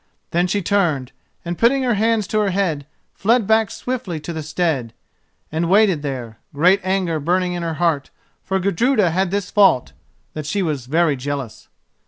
Then she turned and, putting her hands to her head, fled back swiftly to the stead, and waited there, great anger burning in her heart; for Gudruda had this fault, that she was very jealous.